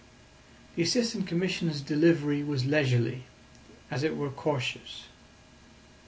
The Assistant Commissioner's delivery was leisurely, as it were cautious.